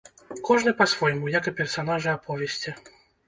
Кожны па-свойму, як і персанажы аповесці.